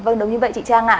vâng đúng như vậy chị trang ạ